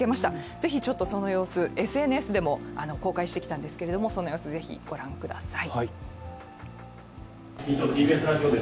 ぜひちょっとその様子、ＳＮＳでも公開してきたんですけれどもその様子をぜひご覧ください。